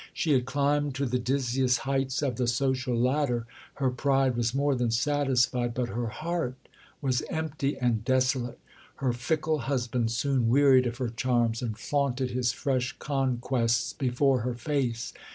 She had climbed to the dizziest heights of the social ladder; her pride was more than satisfied; but her heart was empty and desolate. Her fickle husband soon wearied of her charms, and flaunted his fresh conquests before her face.